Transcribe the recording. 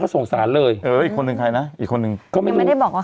เขาสงสารเลยเอออีกคนหนึ่งใครนะอีกคนหนึ่งเขาไม่รู้ยังไม่ได้บอกว่าใคร